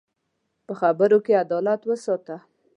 په خبرو کې عدالت وساته